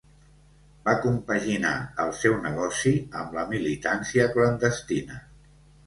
Va compaginar el seu negoci amb la militància clandestina.